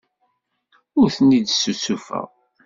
Ur ten-id-ssusufeɣ.